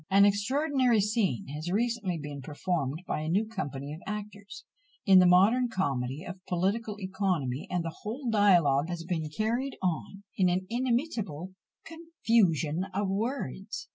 An extraordinary scene has recently been performed by a new company of actors, in the modern comedy of Political Economy; and the whole dialogue has been carried on in an inimitable "confusion of words!"